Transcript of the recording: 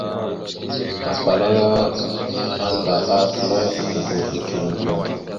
Afalaŋa anda ahaf ma, godogo igal gəlom.